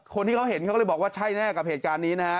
คนที่เขาเห็นเขาก็เลยบอกว่าใช่แน่กับเหตุการณ์นี้นะฮะ